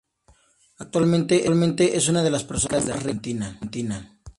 Actualmente es una de las personas más ricas de Argentina.